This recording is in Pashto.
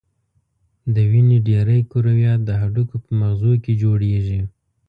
د وینې ډېری کرویات د هډوکو په مغزو کې جوړیږي.